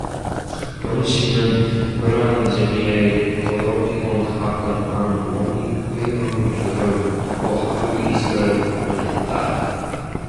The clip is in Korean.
영신은 그러한 재미에 극도로 피곤하건만 몸이 괴로운 줄을 모르고 하루 이틀을 보냈다.